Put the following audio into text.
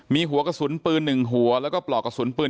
มีหัวกระสุนปืน๑หัวแล้วก็ปลอกกระสุนปืน